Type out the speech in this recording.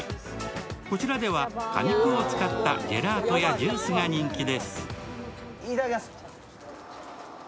こちらでは果肉を使ったジェラートやジュースが人気です。